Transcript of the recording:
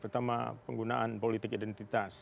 pertama penggunaan politik identitas